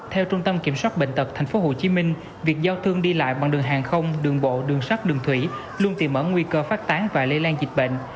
theo trung tâm kiểm soát bệnh tật tp hcm việc giao thương đi lại bằng đường hàng không đường bộ đường sắt đường thủy luôn tìm mở nguy cơ phát tán và lây lan dịch bệnh